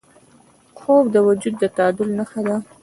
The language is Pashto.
خوب د وجود د تعادل نښه ده